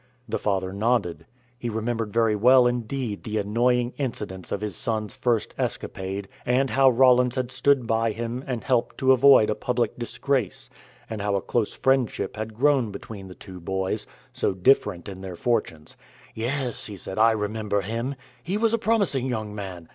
The father nodded. He remembered very well indeed the annoying incidents of his son's first escapade, and how Rollins had stood by him and helped to avoid a public disgrace, and how a close friendship had grown between the two boys, so different in their fortunes. "Yes," he said, "I remember him. He was a promising young man.